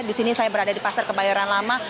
di sini saya berada di pasar kebayoran lama